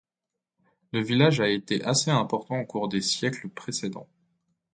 Le village a été assez important au cours des siècles précédents.